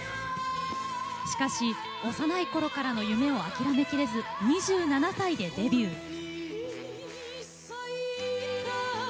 しかし、幼いころからの夢を諦めきれず２７歳でデビュー。